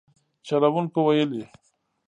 چلوونکو ویلي